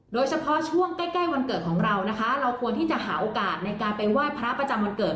โดยเฉพาะช่วงใกล้วันเกิดของเรานะคะเราควรที่จะหาโอกาสในการไปไหว้พระประจำวันเกิด